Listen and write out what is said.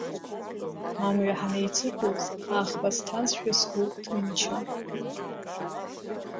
Амҩа ҳанеицықәыз аӷба сҭазшәа сгәы ҭынчын.